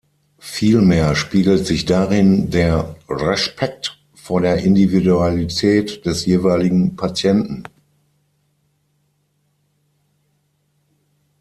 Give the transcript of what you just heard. Vielmehr spiegelt sich darin der Respekt vor der Individualität des jeweiligen Patienten.